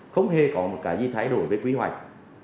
không hề có một cái gì thay đổi về quy hoạch